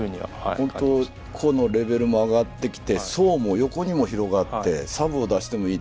本当に個のレベルも上がってきて層も横にも広がってサブを出してもいい。